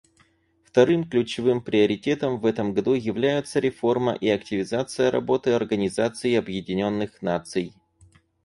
Вторым ключевым приоритетом в этом году являются реформа и активизация работы Организации Объединенных Наций.